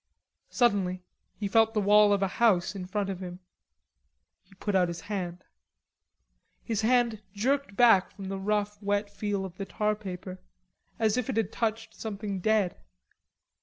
Suddenly he felt the wall of a house in front of him. He put out his hand. His hand jerked back from the rough wet feel of the tar paper, as if it had touched something dead.